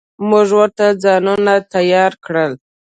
موږ ورته ځانونه تيار کړل.